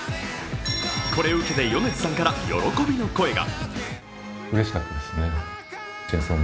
これを受けて米津さんから喜びの声が。